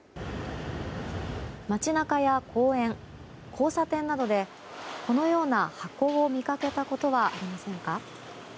街中や公園、交差点などでこのような箱を見かけたことはありませんか？